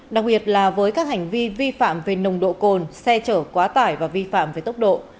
đặc biệt là với các hành vi vi phạm về nồng độ cồn xe chở quá tải và vi phạm về tốc độ